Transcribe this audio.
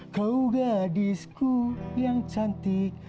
kau gadisku yang cantik